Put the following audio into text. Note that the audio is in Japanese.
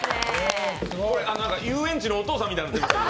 遊園地のお父さんみたいになってる。